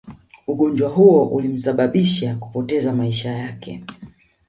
Ugonjwa huo ulimsababisha kupoteza maisha yake